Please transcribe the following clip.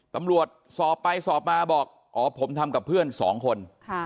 ตำรวจสอบไปสอบมาบอกอ๋อผมทำกับเพื่อนสองคน